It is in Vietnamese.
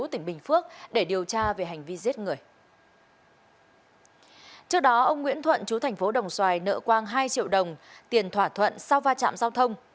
trước đó ông nguyễn thuận chú thành phố đồng xoài nợ quang hai triệu đồng tiền thỏa thuận sau va chạm giao thông